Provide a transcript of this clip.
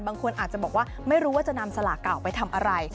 บางคนอาจจะบอกว่าไม่รู้ว่าจะนำสลากเก่าไปทำอะไร